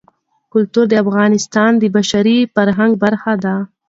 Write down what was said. کلتور د افغانستان د بشري فرهنګ برخه ده.